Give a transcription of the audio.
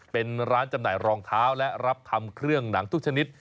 เป็นร้านจำหน่ายรองเท้าและรับทำเครื่องหนังทุกชนิด